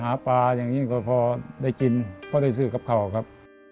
หาปลาอย่างนี้ก็พอได้กินเพราะได้ซื้อกับเขาครับ